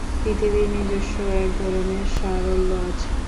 পৃথিবীর নিজস্ব একধরনের সারল্য আছে।